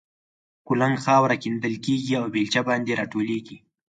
کولنګ خاوره کیندل کېږي او بېلچه باندې را ټولېږي.